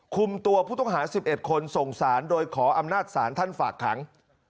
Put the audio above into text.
คุมตัวผู้ต้องหา๑๑คนส่งสารโดยขออำนาจศาลท่านฝากขัง